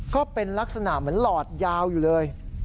ก็เป็นลักษณะเหมือนหลอดยาวอยู่เลย